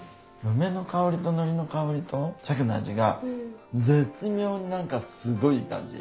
梅の香りとのりの香りとシャケの味が絶妙になんかすごいいい感じ。